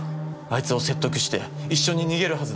あいつを説得して一緒に逃げるはずだった。